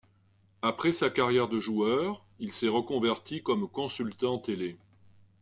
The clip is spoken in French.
Après sa carrière de joueur, il s'est reconverti comme consultant télé.